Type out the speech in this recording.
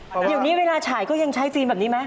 เดี๋ยวนี้เวลาฉายก็ยังใช้ฟิล์มแบบนี้ไหม